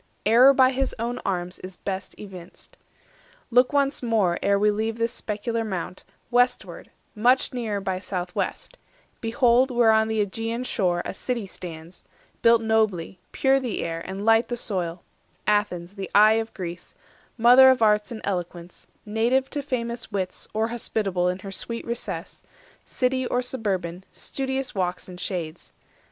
Error by his own arms is best evinced. Look once more, ere we leave this specular mount, Westward, much nearer by south west; behold Where on the AEgean shore a city stands, Built nobly, pure the air and light the soil— Athens, the eye of Greece, mother of arts 240 And Eloquence, native to famous wits Or hospitable, in her sweet recess, City or suburban, studious walks and shades.